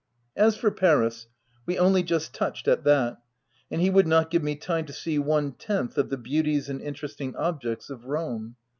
As for Paris, we only just touched at that, and he would not give me time to see one tenth of the beauties and interesting objects of Rome.